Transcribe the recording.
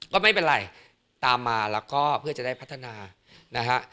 ก็ไม่เป็นไรตามมาแล้วก็เพื่อจะได้พัฒนานะฮะ